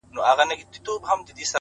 د کسمیر لوري د کابل او د ګواه لوري!